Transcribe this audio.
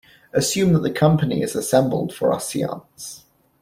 Assume that the company is assembled for our seance.